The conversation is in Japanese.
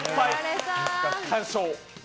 完勝。